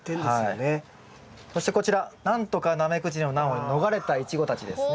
そしてこちら何とかナメクジの難を逃れたイチゴたちですね。